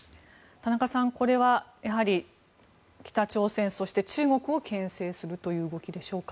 田中さん、これは北朝鮮、そして中国をけん制するという動きでしょうか？